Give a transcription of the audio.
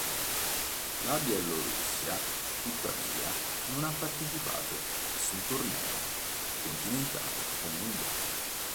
La Bielorussia tuttavia non ha partecipato a nessun torneo continentale o mondiale.